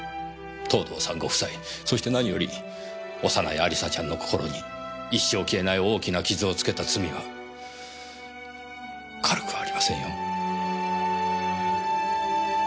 藤堂さんご夫妻そして何より幼い亜里沙ちゃんの心に一生消えない大きな傷を付けた罪は軽くはありませんよ。